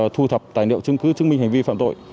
thu thập tài liệu chứng cứ chứng minh hành vi phạm tội